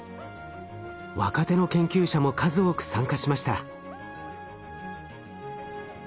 若手の研究者も数多く参加しました。